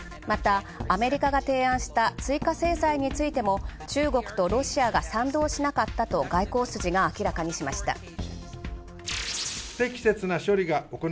またアメリカが発表した共同声明に対しても中国とロシアが賛同しなかったと外交筋が明らかにしました。